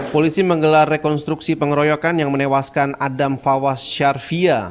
polisi menggelar rekonstruksi pengeroyokan yang menewaskan adam fawas syarvia